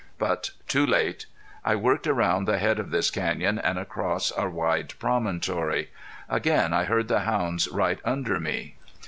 But too late! I worked around the head of this canyon and across a wide promontory. Again I heard the hounds right under me.